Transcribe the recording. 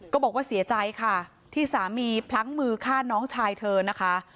บอกว่าเสียใจค่ะที่สามีพลั้งมือฆ่าน้องชายเธอนะคะ